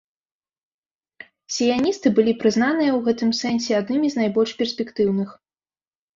Сіяністы былі прызнаныя ў гэтым сэнсе аднымі з найбольш перспектыўных.